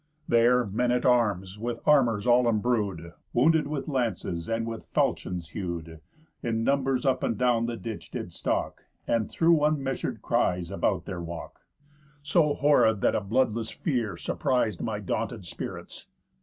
There men at arms, with armours all embrew'd, Wounded with lances, and with faulchions hew'd, In numbers, up and down the ditch, did stalk, And threw unmeasur'd cries about their walk, So horrid that a bloodless fear surpris'd My daunted spirits.